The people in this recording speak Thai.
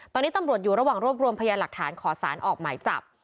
ตอนนี้ตำรวจอยู่ระหว่างรวบรวมพยานหลักฐานขอสารออกหมายจับ